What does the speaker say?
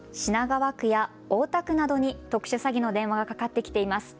品川区や大田区などに特殊詐欺の電話がかかってきています。